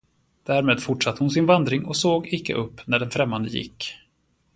Därmed fortsatte hon sin vandring och såg icke upp, när den främmande gick.